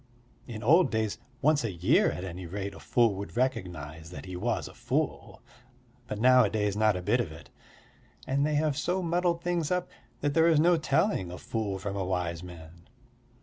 In old days, once a year at any rate a fool would recognise that he was a fool, but nowadays not a bit of it. And they have so muddled things up that there is no telling a fool from a wise man.